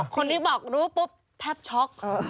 คนนี้บอกรู้ปุ๊บแทบช็อก